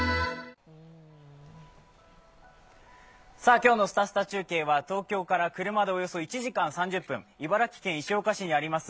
今日の「すたすた中継」は東京から車でおよそ１時間３０分、茨城県石岡市にあります